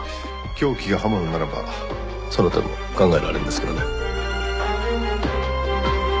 凶器が刃物ならばその手も考えられるんですけどね。